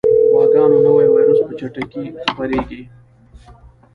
غواګانو نوی ویروس په چټکۍ خپرېږي.